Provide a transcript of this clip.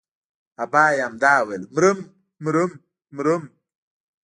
ابا يې همدا ويل مرم مرم مرم.